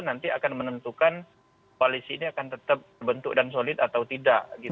nanti akan menentukan koalisi ini akan tetap terbentuk dan solid atau tidak